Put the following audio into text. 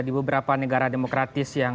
jadi beberapa negara demokratis yang